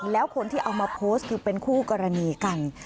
แล้วคนที่เอามาโพสต์คือเป็นคู่กรณีกัน